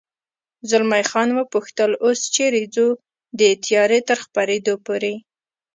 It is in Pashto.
زلمی خان و پوښتل: اوس چېرې ځو؟ د تیارې تر خپرېدو پورې.